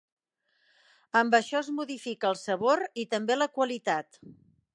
Amb això es modifica el sabor i també la qualitat.